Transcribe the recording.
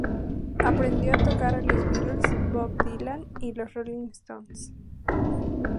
Aprendió a tocar a los Beatles, Bob Dylan y los Rolling Stones.